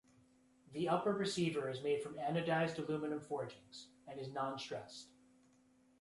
The upper receiver is made from anodized aluminum forgings, and is non-stressed.